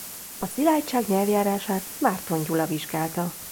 A Szilágyság nyelvjárását Márton Gyula vizsgálta.